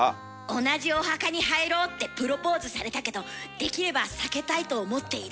「同じお墓に入ろう」ってプロポーズされたけどできれば避けたいと思っている。